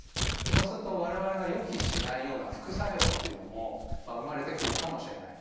そうすると我々が予期しないような副作用っていうのも生まれてくるかもしれない。